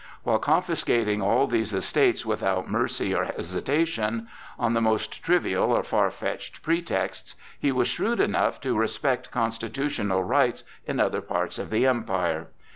While confiscating all these estates without mercy or hesitation, on the most trivial or far fetched pretexts, he was shrewd enough to respect constitutional rights in other parts of the Empire.